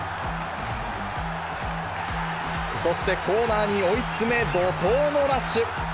そしてコーナーに追い詰め、怒とうのラッシュ。